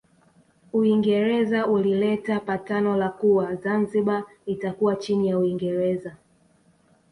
Uingereza ulileta patano la kuwa Zanzibar itakuwa chini ya Uingereza